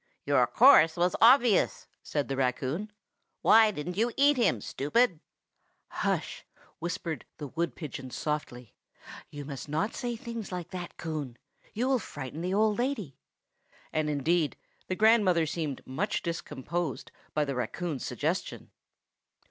"Your course was obvious!" said the raccoon. "Why didn't you eat him, stupid?" "Hush!" whispered the wood pigeon softly. "You must not say things like that, Coon! you will frighten the old lady." And indeed, the grandmother seemed much discomposed by the raccoon's suggestion.